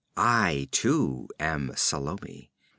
I too am Salome.